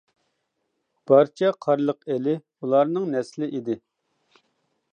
بارچە قارلىق ئېلى ئۇلارنىڭ نەسلى ئىدى.